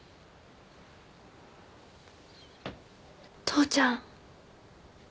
父ちゃん